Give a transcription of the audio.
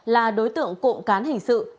là đối tượng cộng cán hình sự